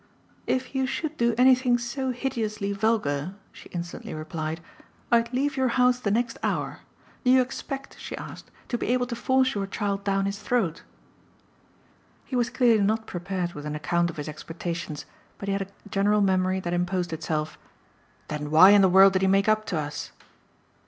"If you should do anything so hideously vulgar," she instantly replied, "I'd leave your house the next hour. Do you expect," she asked, "to be able to force your child down his throat?" He was clearly not prepared with an account of his expectations, but he had a general memory that imposed itself. "Then why in the world did he make up to us?"